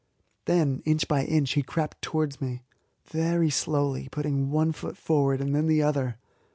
Then inch by inch he crept towards me, very slowly, putting one foot forward and then the other.